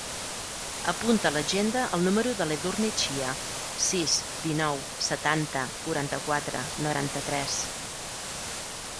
Apunta a l'agenda el número de l'Edurne Chia: sis, dinou, setanta, quaranta-quatre, noranta-tres.